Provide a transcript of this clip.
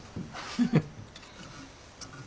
フフッ。